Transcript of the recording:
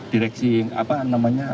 direksi apa namanya